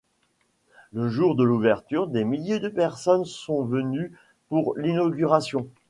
Le jour de l'ouverture, des milliers de personnes sont venues pour l'inauguration.